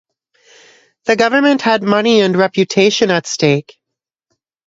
The Government had money and reputation at stake.